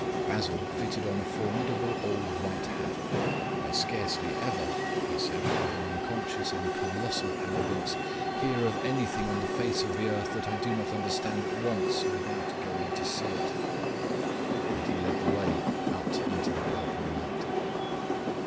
Basil fitted on a formidable old white hat. "I scarcely ever," he said, with an unconscious and colossal arrogance, "hear of anything on the face of the earth that I do not understand at once, without going to see it." And he led the way out into the purple night.